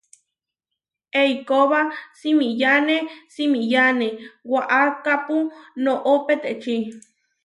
Eikóba simiyáne simiyáne waʼakápu noʼó peteči.